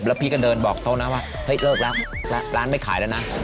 แล้วพี่ก็เดินบอกโต๊ะนะว่าเฮ้ยเลิกแล้วร้านไม่ขายแล้วนะ